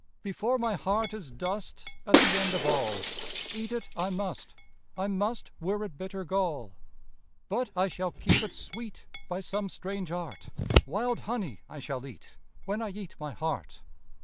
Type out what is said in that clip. Before my heart is dust At the end of all, Eat it I must, I must Were it bitter gall. But I shall keep it sweet By some strange art; Wild honey I shall eat When I eat my heart.